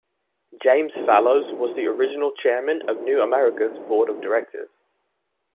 James Fallows was the original chairman of New America's board of directors.